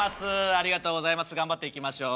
ありがとうございます頑張っていきましょう。